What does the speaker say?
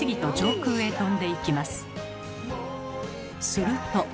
すると。